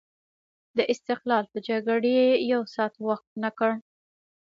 د استقلال په جګړې یو ساعت وقف نه کړ.